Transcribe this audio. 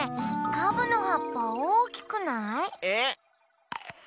カブのはっぱおおきくない？え？